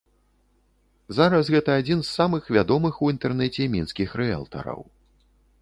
Зараз гэта адзін з самых вядомых у інтэрнэце мінскіх рыэлтараў.